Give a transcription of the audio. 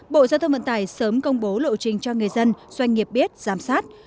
bộ giao thông vận tải sớm công bố lộ trình cho người dân doanh nghiệp biết giám sát